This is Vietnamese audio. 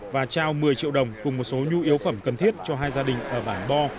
và trao một mươi triệu đồng cùng một số nhu yếu phẩm cần thiết cho hai gia đình ở bản bo